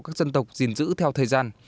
các dân tộc gìn giữ theo thời gian